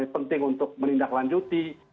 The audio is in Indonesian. penting untuk menindaklanjuti